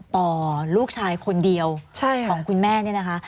ป่อลูกชายคนเดียวของคุณแม่นี่นะคะ